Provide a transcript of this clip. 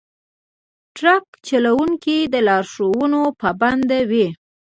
د ټرک چلونکي د لارښوونو پابند وي.